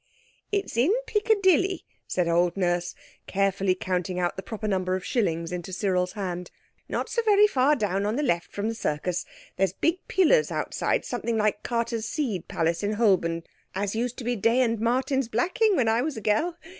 "It's in Piccadilly," said old Nurse, carefully counting out the proper number of shillings into Cyril's hand, "not so very far down on the left from the Circus. There's big pillars outside, something like Carter's seed place in Holborn, as used to be Day and Martin's blacking when I was a gell.